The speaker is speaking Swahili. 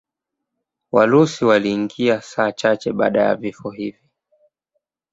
Warusi waliingia saa chache baada ya vifo hivi.